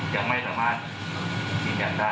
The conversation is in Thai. ยังไม่สามารถคิดละกันได้